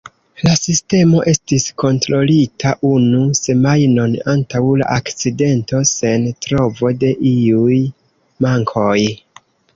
La sistemo estis kontrolita unu semajnon antaŭ la akcidento, sen trovo de iuj mankoj.